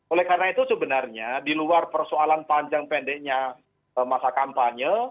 oleh karena itu sebenarnya di luar persoalan panjang pendeknya masa kampanye